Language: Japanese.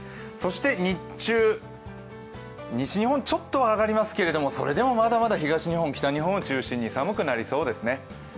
そして日中、西日本ちょっとは上がりますけどそれでもまだまだ東日本、北日本を中心に寒くなりそうですね。